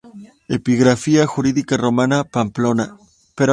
Epigrafía Jurídica Romana, Pamplona.